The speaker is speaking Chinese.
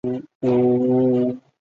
曾任国防大学战略研究所长。